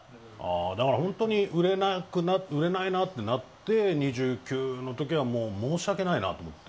だから本当に売れなく売れないなってなって２９の時はもう申し訳ないなって思って。